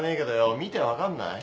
見て分かんない？